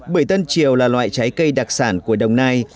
bưởi tân triều là loại trái cây đặc sản của đồng nai